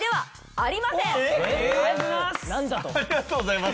「ありがとうございます」